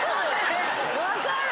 分かる！